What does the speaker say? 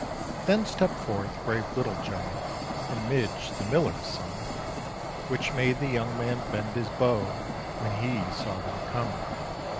Then stepped forth brave Little John, And Midge, the miller's son; Which made the young man bend his bow, When he saw them come.